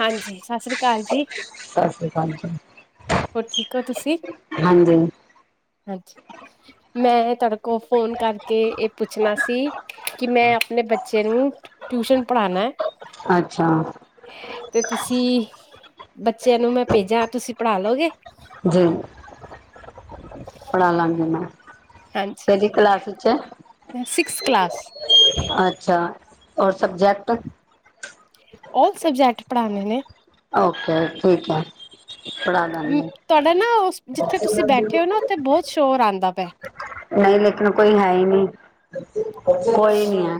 ਹਾਂਜੀ, ਸਤਿ ਸ਼੍ਰੀ ਅਕਾਲ ਜੀ। ਸਤਿ ਸ੍ਰੀ ਕਾਲ ਜੀ। ਹੋਰ ਠੀਕ ਹੋ ਤੁਸੀਂ। ਹਾਂਜੀ ਅਛਾੱ। ਮੈਂ ਤੁਆਡੇ ਕੋ ਫੋਨ ਕਰਕੇ ਏ ਪੁੱਛਣਾ ਸੀ ਕਿ ਮੈਂ ਆਪਣੇ ਬੱਚੇ ਨੂੰ ਟਿਊਸ਼ਨ ਪੜ੍ਹਾਨਾ ਐ। ਅੱਛਾ। ਤੇ ਤੁਸੀਂ ਬੱਚਿਆਂ ਨੂੰ ਮੈਂ ਭੇਜਾਂ ਤੁਸੀਂ ਪੜ੍ਹਾਾ ਲੋਗੇ। ਜੀ, ਪੜਾ ਲਾਂਗੀ ਮੈਂ। ਕੇੜੀ ਕਲਾਸ 'ਚ ਐ। ਐ ਸਿਕਸਥ ਕਲਾਸ। ਅੱਛਾ ਔਰ ਸਬਜੈਕਟ? ਆੱਲ ਸਬਜੈਕਟ ਪੜ੍ਹਾਨੇ ਨੇ। Okay ਗੂਢ job. ਹਮ ਤੁਹਾਡਾ ਨਾ ਜਿੱਥੇ ਤੁਸੀਂ ਬੈਠੇ ਹੋ ਨਾ ਉੱਥੇ ਬਹੁਤ ਸ਼ੋਰ ਆਉਂਦਾ ਪਿਆ ਨਹੀਂ ਲੇਕਿਨ ਕੋਈ ਹੈ ਹੀ ਨਹੀਂ ਕੋਈ ਨਹੀਂ ਹੈ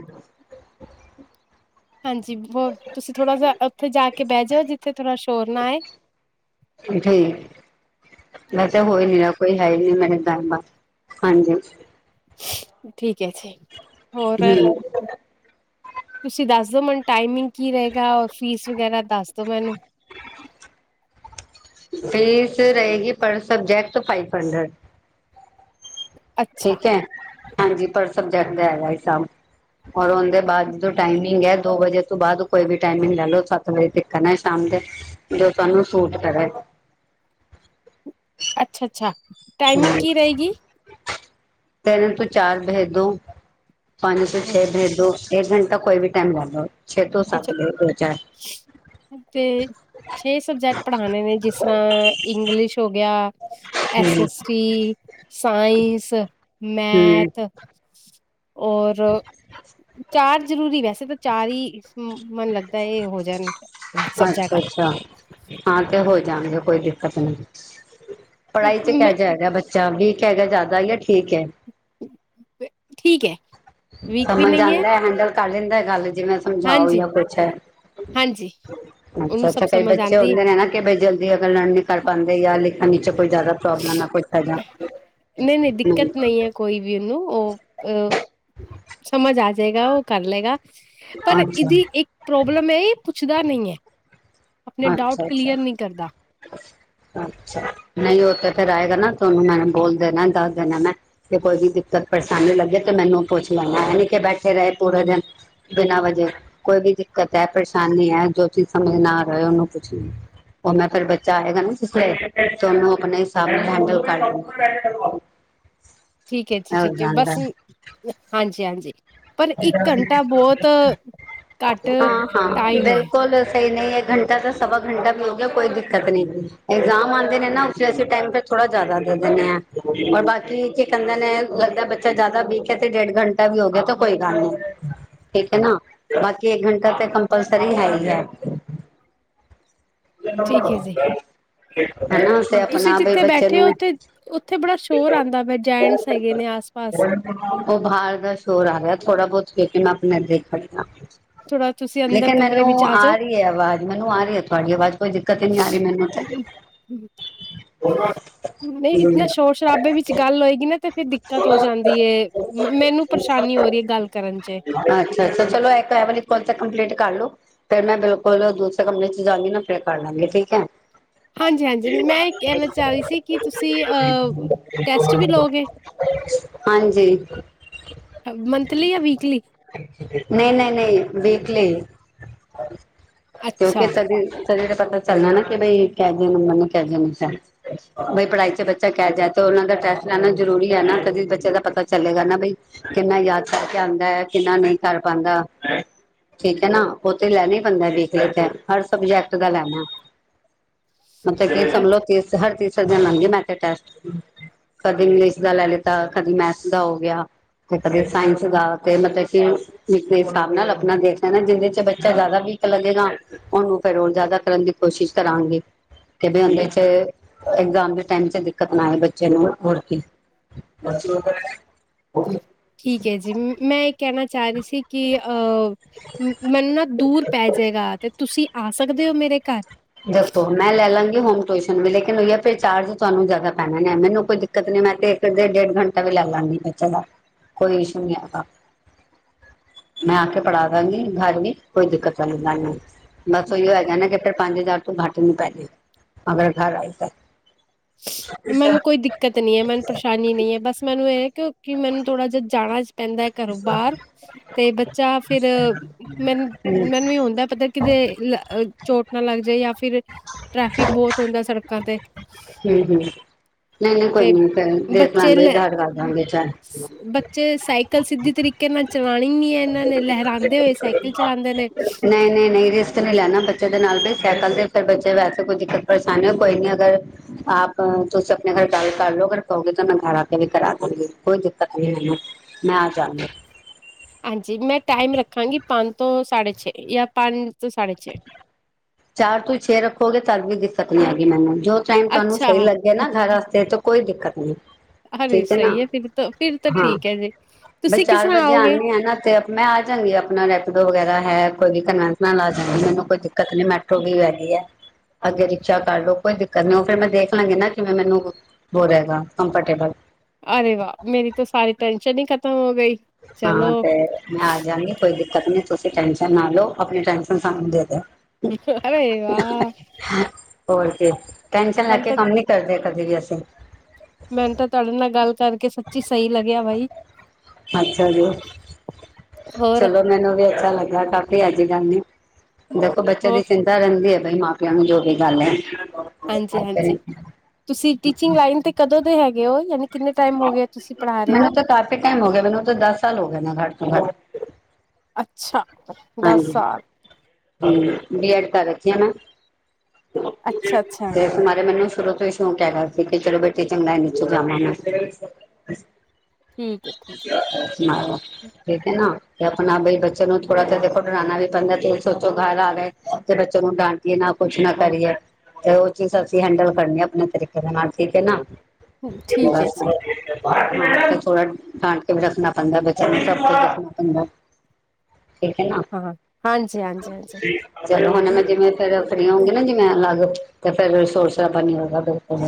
ਹਾਂਜੀ ਬਹੁ ਤੁਸੀਂ ਥੋੜ੍ਹਾ ਜਿਹਾ ਉੱਥੇ ਜਾ ਕੇ ਬਹਿ ਜਾਓ ਜਿੱਥੇ ਥੋੜ੍ਹਾ ਸ਼ੋਰ ਨਾ ਆਏ ਜਠੀ [unintelligible] ਵੈਸੇ ਹੋਈ ਹਾਂ, ਨਹੀਂ ਰਿਹਾ ਕੋਈ ਹੈ ਹੀ ਨਹੀਂ ਮੇਰੇ ਗਨਬ ਦਾ ਹਾਂਜੀ ਠੀਕ ਹੈ ਜੀ ਹੋਰ ਹਮ ਤੁਸੀਂ ਦੱਸ ਦੋ ਮੈਨੂੰ ਟਾਈਮਿੰਗ ਕੀ ਰਹੇਗਾ ਔਰ ਫੀਸ ਵਗੈਰਾ ਦੱਸ ਦੋ ਮੈਨੂੰ ਫੀਸ ਰਹੇਗੀ ਪਰ ਸਬਜੈਕਟ ਫਾਈਵ ਹੰਡਰਡ ਅੱਛਾ ਠੀਕ ਹੈ, ਹਾਂਜੀ ਪਰ ਸਬਜੈਕਟ ਦਾ ਹੈਗਾ ਹਿਸਾਬ ਔਰ ਉਹਦੇ ਬਾਅਦ ਜੋਟਾਈਮਿੰਗ ਹੈ ਦੋ ਵਜੇ ਤੋਂ ਬਾਅਦ ਕੋਈ ਵੀ ਟਾਈਮਿੰਗ ਲੈ ਲਓ ਸੱਤ ਵਜੇ ਤੱਕਨਾ ਸ਼ਾਮ ਦੇ ਜੋ ਤੁਹਾਨੂੰ ਸੂਟ ਕਰੇ ਅੱਛਾ-ਅੱਛਾ ਟਾਈਮਿੰਗ ਕੀ ਰਹੇਗੀ ਤੈਰਨ ਤੋਂ ਚਾਰ ਭੈਦੋ ਪਾਣੀ ਤੋਂ ਛੇ ਭੈਦੋ ਇੱਕ ਘੰਟਾ ਕੋਈ ਵੀ ਟਾਈਮ ਬੰਨ ਲੋ ਛੇ ਤੋਂ ਅੱਛਾ ਸੱਤ ਅੱਛਾ ਵਜੇ ਵਿਚਕਾਰ [inaudible] ਤੇ ਛੇ ਸਬਜੈਕਟ ਪੜ੍ਹਾਉਣੇ ਨੇ ਜਿਸ ਤਰ੍ਹਾਂ, ਇੰਗਲਿਸ਼ ਹੋ ਗਿਆ ਐਸ ਹਮ ਐਸਟੀ, ਸਾਇੰਸ, ਹਮ ਮੈਥ ਔਰ ਚਾਰ ਜ਼ਰੂਰੀ ਵੈਸੇ ਤਾਂ ਚਾਰ ਹੀ ਮਨ ਲੱਗਦਾ ਤਾਂ ਇਹ ਹੋ ਜਾਂਦਾ ਅੱਛਾ ਸਬਜੈਕਟ ਅੱਛਾ ਹਾਂ ਤੇ ਹੋ ਜਾਣਗੇ ਕੋਈ ਦਿੱਕਤ ਨੀ, ਪੜ੍ਹਾਈ 'ਚ ਮੈਂ ਕਹਿ ਜਾਏਗਾ ਬ ਜਾਂ ਵੀਕ ਹੈਗਾ ਜ਼ਿਆਦਾ ਈ ਠੀਕ ਹੈ [inaudible] ਠੀਕ ਹੈ ਵੀਕ ਵੀ ਸਮਨ ਨਹੀਂ ਹੈ ਜਾਂਦਾ ਏ ਹੈਂਡਲ ਕਰ ਲੈਂਦਾ ਗੱਲ ਜਿਵੇਂ ਸਮਝਾਓ ਜਾਂ ਹਾਂਜੀ-ਹਾਂਜੀ ਕੁਛ ਹੈ, ਉਹਨੂੰ ਅੱਛਾ- ਸਭ ਅੱਛਾ ਕਈ ਸਮਝ ਬੱਚੇ ਆਂਦੀ ਹੁੰਦੇ ਨੇ ਨਾ ਕਿ ਬਈ ਜਲਦੀ ਅਗਰ ਲਰਨ ਨਹੀਂ ਕਰ ਪਾਉਂਦੇ ਜਾਂ ਲਿਖਣ ਵਿੱਚ ਕੋਈ ਜ਼ਿਆਦਾ ਪ੍ਰੋਬਲਮ ਹੈ ਕੀਤਾ ਜਾ ਨਹੀਂ ਨਹੀਂ ਹਮ ਦਿੱਕਤ ਨਹੀਂ ਹੈ ਕੋਈ ਵੀ ਉਹਨੂੰ ਉਹ ਅ ਸਮਝ ਆ ਜਾਏਗਾ ਉਹ ਕਰ ਲਏਗਾ ਪਰ ਅੱਛਾ ਇਹਦੀ ਇੱਕ ਪ੍ਰੋਬਲਮ ਹੈ ਇਹ ਪੁੱਛਦਾ ਨੀ ਹੈ ਆਪਣੇ ਡਾਊਟ ਅੱਛਾ- ਅੱਛਾ ਕਲੀਅਰ ਨਹੀਂ ਕਰਦਾ ਅੱਛਾ, ਨਹੀਂ ਉਹ ਤੇ ਫਿਰ ਆਏਗਾ ਨਾ ਤੁ ਉਹਨੂੰ ਮੈਂਨੂੰ ਬੋਲ ਦੇਣਾ ਦੱਸ ਦੇਣਾ ਮੈਂ ਤੇ ਕੋਈ ਵੀ ਦਿੱਕਤ ਪਰੇਸ਼ਾਨੀ ਲੱਗੇ ਤੇ ਮੈਨੂੰ ਪੁੱਛ ਲੈਂਣਾ, ਹੈ ਨੀ ਕਿ ਬੈਠੇ ਰਹੇ ਪੂਰੇ ਦਿਨ ਬਿਨਾਂ ਵਜੇ, ਕੋਈ ਵੀ ਦਿੱਕਤ ਹੈ ਪਰੇਸ਼ਾਨੀ ਹੈ ਜੋ ਚੀਜ਼ ਸਮਝ ਨਾ ਆ ਰਹੇ ਉਹਨੂੰ ਪੁੱਛਣੀ ਉਹ ਮੈਂ ਫਿਰ ਬੱਚਾ ਆਏਗਾ ਨਾ ਜਿਸ ਵੇਲੇ, ਤੇ ਉਹਨੂੰ ਆਪਣੇ ਹਿਸਾਬ ਨਾਲ ਹੈਂਡਲ ਕਰ ਲੈਣਾ ਠੀਕ ਹੈ ਜੀ ਠੀਕ ਹੈ ਬਸ ਹਾਂਜੀ- ਹਾਂਜੀ ਪਰ ਇੱਕ ਹਾਂ ਘੰਟਾ ਬਹੁਤ ਘੱਟ -ਹਾਂ ਟਾਈਮ ਹੈ ਬਿਲਕੁਲ ਸਹੀ ਨਹੀਂ ਹੈ ਹੈੰਟ ਤਾਂ ਸਵਾ ਘੰਟਾ ਮਿਲ ਗਿਆ ਕੋਈ ਦਿੱਕਤ ਨੀ ਗਈ ਐਗਜ਼ਾਮ ਆਉਂਦੇ ਨੇ ਨਾ ਉਸੇ ਅਸੀਂ ਟਾਈਮ ਤੇ ਥੋੜਾ ਜ਼ਿਆਦਾ ਦੇ ਦਿੰਦੇ ਹਾਂ ਔਰ ਬਾਕੀ ਕੀ ਕਹਿੰਦੇ ਨੇ ਲੱਗਦਾ ਬੱਚਾ ਜ਼ਿਆਦਾ ਵੀਕ ਹੈ ਤੇ ਡੇਢ ਘੰਟਾ ਵੀ ਹੋ ਗਿਆ ਤੋ ਕੋਈ ਗੱਲ ਨਹੀਂ ਠੀਕ ਹੈ ਨਾ ਬਾਕੀ ਇੱਕ ਘੰਟਾ ਤਾਂ ਕੰਪਲਸਰੀ ਹੈ ਹੀ ਹੈ ਨਰ [unintelligible] ਤੁ ਤੁਸੀਂ ਜਿੱਥੇ ਬੱਚੇ ਬੈਠੇ ਨੂੰ ਹੋ ਉੱਥੇ, ਉੱਥੇ ਬੜਾ ਸ਼ੋਰ ਆਉਂਦਾ ਵ ਜੈਟਸ ਹੈਗੇ ਨੇ ਆਸ ਪਾਸ ਉਹ ਬਾਹਰ ਦਾ ਸ਼ੋਰ ਆ ਰਿਹਾ ਥੋੜਾ ਬਹੁਤ ਵੇ ਕੇ ਮੈਂ ਆਪਣੇ ਦੇਖ ਆਈ ਹਾਂ ਥੋੜਾ ਤੁਸੀਂ ਅੰਦਰ ਕਮਰੇ ਵਿੱਚ ਆ ਜਾਓ ਕੇ ਆਵਾਜ਼ ਮੈਨੂੰ ਆ ਰਹੀ ਹੈ ਤੁਹਾਡੀ ਆਵਾਜ਼ ਕੋਈ ਦਿੱਕਤ ਹੀ ਨਹੀਂ ਆ ਰਹੀ ਮੈਨੂੰ, ਨਹੀਂ ਇਤਨਾ ਹ ਸ਼ੋਰ ਸ਼ਰਾਬੇ ਵਿੱਚ ਗੱਲ ਹੋਏਗੀ ਨਾ ਤੇ ਫ ਦਿੱਕਤ ਹੋ ਜਾਂਦੀ ਹੈ, ਮੈਨੂੰ ਪਰੇਸ਼ਾਨੀ ਹੋ ਰਹੀ ਹੈ ਗੱਲ ਕਰਨ 'ਚ ਅੱਛਾ ਚਲੋ ਇੱਕ ਹੈ ਵਾਲੀ ਕੋਲ ਤੇ ਕੰਪਲੇਂਟ ਕਰ ਲੋ। ਫੇਰ ਮੈਂ ਬਿਲਕੁਲ, ਦੂਸਰੇ ਕੰਮਪਰੇ 'ਚ 'ਚ ਜਾਾਂਗੀ ਨਾ ਫੇਰ ਕਰ ਲਾਂਗੀ, ਠੀਕ ਹੈ। ਹਾਂਜੀ-ਹਾਂਜੀ ਮੈਂ ਇਹ ਕਹਿਣਾ ਚਾਹ ਰਹੀ ਸੀ ਕਿ ਤੁਸੀਂ ਅ ਟੈਸਟ ਵੀ ਲਓਗੇ ਹਾਂਜੀ। ਮੰਥਲੀ ਜਾਂ ਵੀਕਲੀ ਨਹੀਂ ਨਹੀਂ ਨਹੀਂ, ਵੀਕਲੀ, ਕਿਉਂਕਿ ਅੱਛਾ ਤ ਤਦੀ ਤੇ ਪਤਾ ਚੱਲਣਾ ਨਾ ਕਿ ਬਈ, ਕੈ ਜਿੇ ਮੰਨ ਕੈ ਜੇ ਨ ਬਈ ਪੜ੍ਹਾਈ 'ਚ ਬੱਚਾ ਕਹਿ ਜਾਏ, ਤੇ ਉਹਨਾਂ ਦਾ ਟੈਸਟ ਲੈਣਾ ਜ਼ਰੂਰੀ ਹੈ ਨਾ, ਕਦੀ ਬੱਚੇ ਦਾ ਪਤਾ ਚੱਲੇਗਾ ਨਾ ਬਈ ਕਿੰਨਾ ਯਾਦ ਕਰਕੇ ਆਉਂਦਾ ਹੈ, ਕਿੰਨਾ ਨਹੀਂ ਕਰ ਪਾਉਂਦਾ? ਠੀਕ ਹੈ ਨਾ, ਉਹ ਤੇ ਲੈਣਾ ਹੀ ਪੈਂਦਾ ਵੀਕਲੀ ਟੈਸਟ ਤੇ ਹਰ ਸਬਜੈਕਟ ਦਾ ਲੈਣਾ। ਮਤਲਬ ਕੀ ਸਮਝੋ ਅੱਛਾ ਹਰ ਤੀਸਰੇ, ਦਿਨ ਲਾਂਗੀ ਮੈਂ ਤੇ ਟੈਸਟ, ਕਦੇ ਇੰਗਲਿਸ਼ ਦਾ ਲੈ ਲਿੱਤਾ, ਕਦੇ ਮੈਥਸ ਦਾ ਹੋ ਗਿਆ, ਤੇ ਕਦੇ ਸਾਇੰਸ ਦਾ ਤੇ ਮਤਲਬ ਕਿ ਵੀਕ ਦੇ ਹਿਸਾਬ ਨਾਲ ਆਪਣਾ ਦੇਖ ਲੈਣਾ, ਜਿਹਦੇ 'ਚ ਬੱਚਾ ਜ਼ਿਆਦਾ ਵੀਕ ਲੱਗੇਗਾ ਉਹਨੂੰ ਫੈਰ ੳ ਜ਼ਿਆਦਾ ਕਰਨ ਦੀ ਕੋਸ਼ਿਸ਼ ਕਰਾਂਗੇ। ਕਿ ਵੀ ਉਹਦੇ 'ਚ ਇਗਜ਼ਾਮ ਦੇ ਟਾਈਮ 'ਚ ਦਿੱਕਤ ਨਾ ਆਏ ਬੱਚੇ ਨੂੰ, ਹੋਰ ਕੇ ਹਮ। ਠੀਕ ਹੈ ਜੀ, ਮੈਂ ਇਹ ਕਹਿਣਾ ਚਾਹ ਰਹੀ ਸੀ ਕਿ ਅਹ, ਮੈਨ ਨਾ ਦੂਰ ਪੈ ਜਾਏਗਾ ਤੇ ਤੁਸੀਂ ਆ ਸਕਦੇ ਹੋ ਮੇਰੇ ਘਰ? ਜਪੋ ਮੈਂ ਲੈ ਲਾਂਗੀ ਹੋਮ ਟਿਊਸ਼ਨ ਵੀ ਲੇਕਿਨ ਹੋਈਆ ਫਿਰ ਚਾਰਜ ਤੁਹਾਨੂੰ ਜ਼ਿਆਦਾ ਪੈਣਾ ਨੇ, ਮੈਨੂੰ ਕੋਈ ਦਿੱਕਤ ਨਹੀਂ ਮੈਂ ਤੇ ਫ ਡੇਢ -ਡੇਢ ਘੰਟਾ ਵੀ ਲਾ ਲੈਂਦੀ ਬੱਚੇ ਦਾ, ਕੋਈ ਇਸ਼ੂ ਨੀ ਹੈਗਾ। ਮੈਂ ਆ ਕੇ ਪੜ੍ਹਾ ਦਾਂਗੀ ਘਰ ਵੀ, ਕੋਈ ਦਿੱਕਤ ਵਾਲੀ ਗੱਲ ਨੀ। ਬਸ ਉਹੀ ਹੈਗਾ ਨਾ ਕਿ ਫਿਰ ਪੰਜ ਹਜ਼ਾਰ ਤੋਂ ਘੱਟ ਨੀ ਪੈ ਜਾ, ਅਗਰ ਘਰ ਆਏ ਤਾਂ ਮੈਨ ਕੋਈ ਹੂੰ ਦਿੱਕਤ ਨੀ ਹੈ, ਮੈਨੂੰ ਪਰੇਸ਼ਾਨ ਨਹੀਂ ਹੈ ਬਸ ਮੈਨੂੰ ਇਹ ਕਿਉਂਕਿ, ਮੈਨੂੰ ਥੋੜਾ ਜਿਹਾ ਜਾਣਾ ਪੈਂਦਾ ਹੈ ਘਰੋਂ ਬਾਹਰ, ਤੇ ਬੱਚਾ ਫਿਰ ਮੈਨੂੰ, ਮੈਨੂੰ ਵੀ ਹੁੰਦਾ ਪਤਾ ਕਿਤੇ ਚੋਟ ਨਾ ਲੱਗ ਜਾਏ ਜਾਂ ਫਿਰ, ਟ੍ਰੈਫਿਕ ਬਹੁਤ ਹੁੰਦਾ ਸੜਕਾਂ ਤੇ ਹਮ ਹਮ। ਨਹੀਂ ਨਹੀਂ ਤੇ ਕੋਈ ਨੀ, ਫ ਦੇਖ ਬੱਚੇ ਲਾਂਗੇ ਲੈ ਗਲ ਕਰ ਦਾਂਗੇ ਚਲ ਬੱਚੇ ਸਾਈਕਲ ਸਿੱਧੀ ਤਰੀਕੇ ਨਾਲ ਚਲਾਣੀ ਨੀ ਹੈ ਇਹਨਾਂ ਨੇ, ਲਹਿਰਾਉਂਦੇ ਹੋਏ ਸਾਈਕਲ ਚਲਾਉਂਦੇ ਨੇ ਨਹੀਂ ਨਹੀਂ ਨਹੀਂ ਰਿਸਕ ਨਹੀਂੀ ਲੈਣਾ, ਬੱਚੇ ਦੇ ਨਾਲ ਵੀ ਸਾਈਕਲ ਤੇ ਰ ਬੱਚੇ ਵੈਸੇ ਕੋਈ ਦਿੱਕਤ ਪਰੇਸ਼ਾਨੀ ਕੋਈ ਨੀ ਅਗਰ ਆਪ ਤੁਸੀਂ ਆਪਣੇ ਘਰ ਗੱਲ ਕਰ ਲੋ ਅਗਰ ਕਹੋਗੇ ਤਾਂ ਮੈਂ ਘਰ ਆ ਕੇ ਵੀ ਕਰਾ ਦੂੰਗੀ, ਕੋਈ ਦਿੱਕਤ ਨਹੀਂ ਹੈ ਮ ਮੈਂ ਆ ਜਾਂਗੀ। ਹਾਂਜੀ, ਮੈਂ ਟਾਈਮ ਰੱਖਾਂਗੀ ਪੰਜ ਤੋਂ ਸਾਢੇ ਛੇ ਜਾਂ ਪੰਜ ਤੋਂ ਸਾਢੇ ਛੇ ਚਾਰ ਤੋਂ ਹੀ ਛੇ ਰੱਖੋਗੇ ਤਦ ਵੀ ਦਿੱਕਤ ਨੀ ਹੈਗੀ ਮੈਨੂੰ, ਜੋ ਟਾਈਮ ਤੁਹਾਨੂੰ ਅੱਛਾ ਸਹੀ ਲੱਗਿਆ ਨਾ ਘਰ ਵਾਸਤੇ, ਤਾਂ ਕੋਈ ਦਿੱਕਤ ਨਹੀਂ। ਠੀਕ ਹੈ ਨਾ, ਹਾਂ ਬਈ ਤੁਸੀਂ ਚਾਰ ਵਜੇ ਆਉਨੀ ਆ ਨਾ ਤੇ ਮੈਂ ਆ ਜਾਂਵਗੀ ਆਪਣਾ ਰੈਪਡੋ ਵਗੈਰਾ ਹੈ, ਕੋਈ ਵੀ ਕਨਵੈ ਆ ਜਾਂਗੀ, ਮੈਨੂੰ ਕੋਈ ਦਿੱਕਤ ਨੀ ਮੈ ਉੱਠੋਈ ਵੈਗੀ ਹੈ, ਅੱਗੇ ਰਿਕਸ਼ਾ ਕਰ ਲੋ ਕੋਈ ਦਿੱਕਤ ਨੀ ਉਹ ਫੇਿਰ ਮੈਂ ਦੇਖ ਲਾਂਗੀ ਨਾ, ਕਿਵੇਂ ਮੈਨੂੰ ਵੋ ਰਹੇਗਾ, ਕੰਫਰਟੇਬਲ ਅਰੇ ਵਾਹ ਮੇਰੀ ਤਾਂ ਸਾਰੀ ਟੈਨਸ਼ਨ ਹੀ ਖ਼ਤਮ ਹੋ ਗਈ ਚਲੋ ਹਾਂ ਤੇ ਮੈਂ ਆ ਜਾਂਦੀ ਖੁਦ ਆਪਣੀ ਤੁਸੀਂ ਟੈਸ਼ਨ ਨਾ ਲਓ ਆਪਣੀ ਟੈਸ਼ਨ ਸਾਨੂੰ ਦੇ ਦੋ ਹੋਰ ਕੀ ਟੈਨਸ਼ਨ ਲੈ ਮੈਨੂੰ ਕੇ ਤਾਂ ਕੰਮ ਨੀ ਕਰਦੇ ਕਦੇ ਵੀ ਅਸੀਂ ਮੈਨੂੰ ਤਾਂ ਤੁਹਾਡੇ ਨਾਲ ਗੱਲ ਕਰਕੇ ਸੱਚੀ ਸਹੀ ਲੱਗਿਆ ਬਾਈ ਅੱਛਾ ਜੀ ਹੋਰ ਚਲੋ ਮੈਨੂੰ ਵੀ ਅੱਛਾ ਲੱਗਾ ਕਾਫੀ ਅੱਜ ਗੱਲ ਨਹੀਂ ਦੇਖੋ ਬੱਚੇ ਦੀ ਹੋਰ ਚਿੰਤਾ ਰਹਿੰਦੀ ਹੈ ਬਈ ਮਾਂ ਪਿਓ ਨੂੰ ਜੋ ਵੀ ਗੱਲ ਹੈ। ਹਾਂਜੀ ਹਾਂਜੀ ਤੁਸੀਂ ਟੀਚਿੰਗ ਲਾਈਨ ਤੇ ਕਦੋਂ ਦੇ ਹੈਗੇ ਹੋ ਯਾਨੀ ਕਿੰਨੇ ਟਾਈਮ ਹੋ ਗਿਆ ਤੁਸੀਂ ਪੜਾ ਰਹੇ ਹੋ। ਮੈਨੂੰ ਤਾਂ ਕਾਫੀ ਟਾਈਮ ਹੋ ਗਿਆ ਮੈਨੂੰ ਉਹ ਦਸ ਸਾਲ ਹੋ ਗਏ ਨਾ ਘੱਟ ਤੋਂ ਘੱਟ ਅੱਛਾ ਦਸ ਸਾਲ ਹੂੰ ਬੀ ਐਡ ਤਾਂ ਘਰ ਚ ਹੀ ਹੈ। ਅੱਛਾ-ਅੱਛਾ [unintelligible] ਮੈਨੂੰ ਸ਼ੁਰੂ ਤੋਂ ਹੀ ਸ਼ੌਂਕ ਹੈ ਗਿਆ ਸੀ ਕਿ ਚਲੋ ਬੇਟੇ ਚੰਗਾ ਨ ਚ ਜਾਵਾਂ ਮੈਂ ਠੀਕ ਹੈ ਠੀਕ ਹੈ। ਇੱਕ ਨਾ ਤੇ ਆਪਣਾ ਬਈ ਬੱਚੇ ਨੂੰ ਥੋੜਾ ਜਿਹਾ ਦੇਖੋ ਡਰਾਉਣਾ ਵੀ ਪੈਂਦਾ ਤੇ ਸੋਚੋ ਘਰ ਆ ਲਏ ਤੇ ਬੱਚੇ ਨੂੰ ਡਾਂਟੀਏ ਨਾ ਕੁਛ ਨਾ ਕਰੀਏ ਤੇ ਉਹ ਚੀਜ਼ ਅਸੀਂ ਹੈਂਡਲ ਕਰਨੀ ਆ ਆਪਣੇ ਤਰੀਕੇ ਦੇ ਨਾਲ ਠੀਕ ਹੈ ਨਾ ਠੀਕ ਹੈ ਬਸ ਜੀ ਥੋੜਾ ਡਾਂਟ ਕੇ ਵੀ ਰੱਖਣਾ ਪੈਂਦਾ ਬੱਚਿਆਂ ਨੂੰ ਸਭ ਕੁਛ ਰੱਖਣਾ ਪੈਂਦਾ ਠੀਕ ਹੈ ਨਾ ਹਾਂ। ਹਾਂਜੀ ਹਾਂਜੀ ਚਲੋ ਹੁਣ ਮੈਂ ਦਿੰਦੀ ਫਿਰ ਘਰੇ ਆਵਾਂਗੀ ਜਿਵੇਂ ਹਰ ਤੇ ਫਿਰ ਸੋਰਸ ਦਾ ਪਾਣੀ ਹੋਊਗਾ ਬਿਲਕੁਲ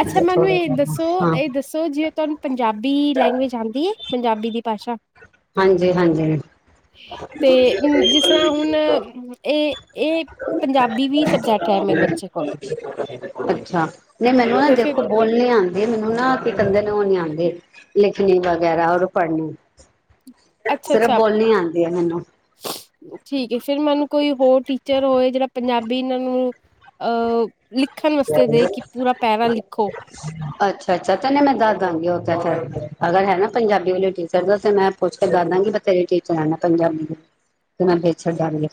ਅੱਛਾ ਅਜੇ ਮੈਨੂੰ ਥੋੜਾ ਇਹ ਜਿਹਾ ਦੱਸੋ ਹਾਂ ਇਹ ਦੱਸੋ ਸੋ ਜਿਵੇਂ ਤੁਹਾਨੂੰ ਪੰਜਾਬੀ ਲੈਂਗੁਏਜ ਆਉਂਦੀ ਪੰਜਾਬੀ ਦੀ ਭਾਸ਼ਾ ਹਾਂਜੀ ਹਾਂਜੀ ਤੇ ਜਿਸ ਤਰ੍ਹਾਂ ਹੁਣ ਇਹ [unintelligible] ਇਹ ਪੰਜਾਬੀ ਵੀ ਸਬਜੈਕਟ ਹੈ ਮੇਰੇ ਬੱਚੇ ਕੋਲ ਅੱਛਾ। ਨਹੀਂ ਮੈਨੂੰ ਨਾ ਤੇ ਫਿਰ ਦੇਖੋ ਬੋਲਣੇ ਆ ਮੈਨੂੰ ਨਾ ਕੀ ਕਦੇ ਨੂੰ ਉਹ ਨੀ ਆਉਂਦੇ ਲਿਖਣੀ ਵਗੈਰਾ ਔਰ ਪੜ੍ਹਨੀ ਅੱਛਾ ਸਿਰਫ -ਅੱਛਾ। ਬੋਲਣੀ ਆਉਂਦੀ ਹੈ ਮੈਨੂੰ ਠੀਕ ਹੈ ਫਿਰ ਮੈਨੂੰ ਕੋਈ ਹੋਰ ਟੀਚਰ ਹੋਏ ਜਿਹੜਾ ਪੰਜਾਬੀ ਇਹਨਾਂ ਨੂੰ ਅਹ ਲਿਖਣ ਵਾਸਤੇ ਦੇ ਕਿ ਪੂਰਾ ਪਹਿਰਾ ਲਿਖੋ ਅੱਛਾ ਅੱਛਾ ਤਦ ਮੈਂ ਦੱਸ ਦਵਾਂਗੀ ਉਥੇ ਫਿਰ ਅਗਰ ਹੈ ਨਾ ਪੰਜਾਬੀ ਵਾਲੇ ਟੀਚਰ ਦਾ ਤੇ ਮੈਂ ਪੁੱਛ ਕੇ ਦੱਸ ਦਾਂਗੀ ਬਥੇਰੇ ਟੀਚਰਾਂ ਨਾ ਪੰਜਾਬੀ ਦੇ ਤੇ ਮੈਂ ਵੇਚਣ ਜਾਂਦੀ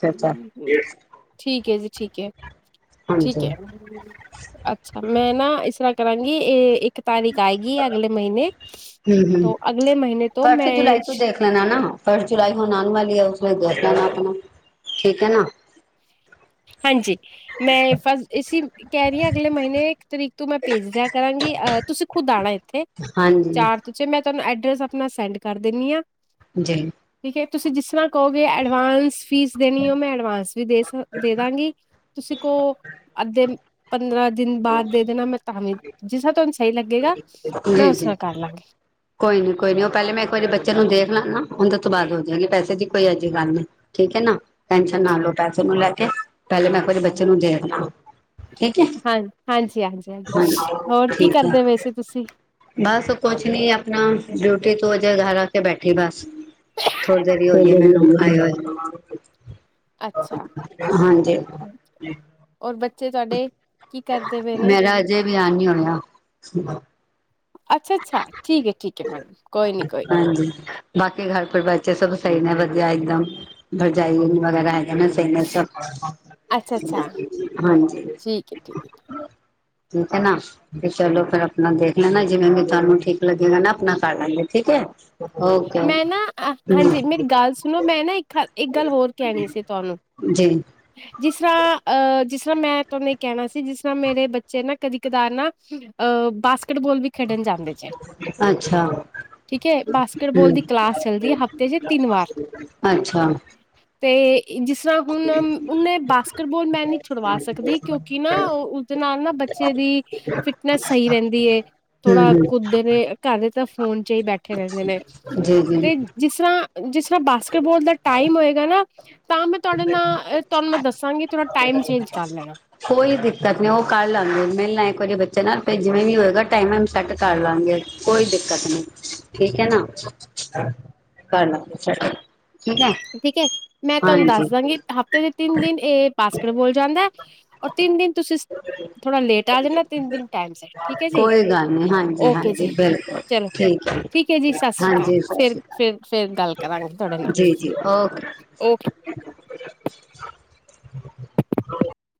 ਠੀਕ ਹੈ ਜੀ ਠੀਕ ਹੈ ਹਾਂਜੀ ਠੀਕ ਹੈ। ਅੱਛਾ ਮੈਂ ਨਾ ਇਸ ਤਰ੍ਹਾਂ ਕਰਾਂਗੀ ਇਹ ਇੱਕ ਇੱਕ ਤਾਰੀਖ ਆਏਗੀ ਅਗਲੇ ਮਹੀਨੇ ਹੂੰ ਹੂੰ ਅਗਲੇ ਮਹੀਨੇ ਤੋਂ ਫਸਟ ਮੈਂ ਜੁਲਾਈ ਤੂੰ ਦੇਖ ਲੈਣਾ ਨਾ ਫਸਟ ਜੁਲਾਈ ਹੁਣ ਆਨ ਵਾਲੀ ਹੈ ਉਸ ਵੇਲੇ ਲੈਣਾ ਆਪਣਾ ਠੀਕ ਹੈ ਨਾ ਹਾਂਜੀ ਮੈਂ ਫਸ ਇਸ ਕਹਿ ਰਹੀ ਹਾਂ ਅਗਲੇ ਮਹੀਨੇ ਇੱਕ ਤਰੀਕ ਤੋਂ ਮੈਂ ਭੇਜਦਿਆਂ ਕਰਾਂਗੀ ਆ ਤੁਸੀਂ ਖੁਦ ਆਉਣਾ ਇਥੇ ਹਾਂਜੀ ਚਾਰ ਤੋਂ ਛੇ ਮੇਂ ਤੁਹਾਨੂੰ ਏਡਰਸ ਆਪਣਾ ਸੈਂਡ ਕਰ ਦਿੰਦੀ ਆ ਜੀ ਠੀਕ ਹੈ ਤੁਸੀਂ ਜਿਸ ਤਰ੍ਹਾਂ ਕਹੋਗੇ ਅਡਵਾਂਸ ਫੀਸ ਦੇਣੀ ਹੋ ਮੈਂ ਐਡਵਾਂਸ ਵੀ ਦੇ ਸਕ ਦੇ ਦਾਂਗੀ ਤੁਸੀਂ ਕੋ ਅੱਧੇ ਪੰਦਰਾਂ ਦਿਨ ਬਾਅਦ ਦੇ ਦੇਣਾ ਮੈਂ ਜਿਸ ਤਰ੍ਹਾ ਤਾਨੂੰ ਸਈ ਲੱਗੇਗਾ ਮੈਂ ਜੀ ਉਸ ਜੀ ਤਰ੍ਹਾਂ ਕਰ ਲਾਂਗੀ। ਕੋਈ ਨੀ ਕੋਈ ਨੀ ਓ ਪੈਲੇ ਮੈਂ ਇੱਕ ਵਾਰੀ ਬੱਚੇ ਨੂੰ ਦੇਖ ਲਾਂ ਨਾ ਓਂਦੇ ਤੋਂ ਬਾਅਦ [unintelligible] ਹੋ ਜਾਗੀ ਪੈਸੇ ਦੀ ਕੋਈ ਏਜੀ ਗੱਲ ਨਈ। ਠੀਕ ਐ ਨਾ ਟੈਨਸ਼ਨ ਨਾ ਲਓ ਪੈਸੇ ਨੂੰ ਲੈ ਕੇ ਪਹਿਲੇ ਮੈਂ ਇੱਕ ਵਾਰ ਬੱਚੇ ਨੂੰ ਦੇਖ ਲਾ ਹਾਂ ਹਾਂਜੀ -ਹਾਂਜੀ- ਹਾਂਜੀ ਹੋਰ ਕੀ ਠੀਕ ਹੈ ਕਰਦੇ ਵੈ ਸੀ ਤੁਸੀਂ? ਬਸ ਕੁਛ ਨੀ ਆਪਣਾ ਡਿਊਟੀ ਤੋਂ ਅਜੇ ਘਰ ਆ ਕੇ ਬੈਠੀ ਬਸ। ਥੋੜੀ ਦੇਰ ਈ ਹੋਈਏ ਮੈਨੂੰ ਆਏ ਹੋਏ ਨੂੰ ਅੱਛਾ, ਹਾਂਜੀ ਔਰ ਬੱਚੇ ਚਾਡੇ ਮੇਰਾ ਅਜੇ ਵਿਆਅ ਨੀ ਹੋਆ। ਅੱਛਾ- ਅੱਛਾ ਠੀਕ ਐ - ਠੀਕ ਐ ਮੈਡਮ ਕੋਈ ਨੀ -ਕੋਈ ਨੀ। ਹਾਂਜੀ ਬਾਕੀ ਘਰ ਪਰਿਵਾਰ, ਚੇ ਸਭ ਸਈ ਨੇ ਵਧੀਆ ਇੱਕਦਮ ਭਰਜਾਈ ਵਗੈਰਾ [unintelligible] ਕਹਿਣਾ ਚਾਹੀਦਾ ਚ ਅੱਛਾ-ਅੱਛਾ, ਹਾਂਜੀ [inaudible] ਠੀਕ ਹੈ ਨਾ ਤੇ ਚਲੋ ਫੇਰ ਆਪਣਾ ਦੇਖ ਲੈਣਾ ਜਿਵੇਂ ਭੀ ਤਾਨੂੰ ਠੀਕ ਲੱਗੇਗਾ ਨਾ ਆਪਣਾ ਕਰ ਲਾਗੇ ਠੀਕ ਏ। ਮੈਂ ਨਾ ਹਾਂ ਹਾਂਜੀ ਮੇਰੀ ਗੱਲ ਸੁਣੋ ਮੈਂ ਨਾ ਇੱਕ ਗ -ਇੱਕ ਗੱਲ ਹੋਰ ਕਹਿਣੀ ਸੀ ਤੁਆਨੂੰ। ਜੀ ਜਿਸ ਰ੍ਹਾਂ ਅਹ ਜਿਸ ਰ੍ਹਾਂ ਮੈਂ ਤੁਆਨੂੰ ਐ ਕੈਣਾ ਸੀ ਜਿਸ ਰ੍ਹਾਂ ਮੇਰੇ ਬੱਚੇ ਨਾ ਕਦੀ ਕਦਾਰ ਨਾ ਅ ਬਾਸਕਿਟਬਾਲ ਵੀ ਖੇਡਣ ਜਾਂਦੇ ਜੇ ਅੱਛਾ ਠੀਕ ਹੈ ਬਾਸ ਬੋਲ ਦੀ ਹਮ ਕਲਾਸ ਚੱਲਦੀ ਐ ਹਫ਼ਤੇ ਚ ਤਿੰਨ ਵਾਰ ਅੱਛਾ ਹਮ ਤੇ ਜਿਸ ਰ੍ਹਾਂ ਹੁਣ ਉਨੇ ਬਾਸਕਿਟ ਬੋਲ ਮੈਂ ਨੀ ਛੁਡਵਾ ਸਕਦੀ ਕਿਉਂਕਿ ਨਾ ਉਦੇ ਨਾਲ ਨਾ ਬੱਚੇ ਦੀ ਫਿਟਨੈਸ ਸਈ ਰੈਂਦੀ ਏ ਥੋੜਾ ਹਮ ਕੁੱਦ ਤੇ ਘਰੇ ਤਾਂ ਫੋਨ ਚ ਈ ਬੈਠੇ ਰੈਂਦੇ ਨੇ। ਜੀ -ਜੀ ਤੇ ਜਿਸ ਰ੍ਹਾਂ ਜਿਸ ਰ੍ਹਾਂ ਬਾਸਕਿਟਬਾਲ ਦਾ ਟਾਈਮ ਹੋਏਗਾ ਨਾ ਤਾਂ ਮੈਂ ਤੁਹਾਡੇ ਨਾਲ ਤੁਹਾਨੂੰ ਮੈਂ ਦੱਸਾਂਗੀ ਥੋੜਾ ਟਾਈਮ ਚੇਂਜ ਕਰ ਲੈਣਾ। ਕੋਈ ਦਿੱਕਤ ਨੀ ਓ ਕਰ ਲਾਂਗੇ ਮਿਲ ਲਾਂ ਇੱਕ ਵਾਰੀ ਬੱਚੇ ਨਾਲ ਫਿਰ ਜਿਵੇਂ ਵੀ ਹੋਏਗਾ ਟਾਈਮ ਵਾਇਮ ਸੈੱਟ ਕਰ ਲਾਂਗੇ। ਕੋਈ ਦਿੱਕਤ ਨੀ ਠੀਕ ਐ ਨਾ ਕਰ ਲਾਂਗੇ ਸੈੱਟ। ਠੀਕ ਹੈ ਠੀਕ ਐ ਮੈਂ ਤਾਨੂੰ ਦੱਸ ਹਾਂਜੀ ਦਾਂਗੀ ਹਫ਼ਤੇ ਦੇ ਤਿੰਨ ਦਿਨ ਏ ਬਾਸਕਟ ਬੋਲ ਜਾਂਦਾ ਐ ਔਰ ਤਿੰਨ ਦਿਨ ਤੁਸੀਂ ਥੋੜਾ ਲੇਟ ਆ ਜਾਂਣਾ ਤਿੰਨ ਦਿਨ ਟਾਈਮਸੇ। ਠੀਕ ਐ ਜੀ, ਕੋਈ ਗੱਲ ਨਹੀਂ ਹਾਂਜੀ ਓਕੇ ਜੀ ਹਾਂਜੀ ਬਿਲਕੁਲ ਚਲੋ ਠੀਕ ਹੈ ਜੀ, ਸਾਸਰੀਕਾਲ ਹਾਂਜੀ ਸਤਿ ਫੇਰ ਸ਼੍ਰੀ ਫੇਰ, ਫੇਰ ਗੱਲ ਕਰਾਂਗੇ ਤੁਆਡੇ ਨਾਲ। ਹਾਂ ਓਕ